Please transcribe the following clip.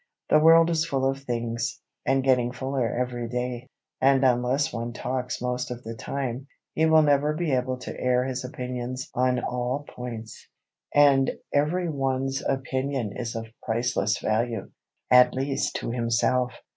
The world is full of things, and getting fuller every day, and unless one talks most of the time he will never be able to air his opinions on all points. And every one's opinion is of priceless value,—at least to himself.